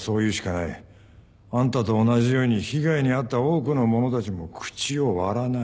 あんたと同じように被害に遭った多くの者たちも口を割らない。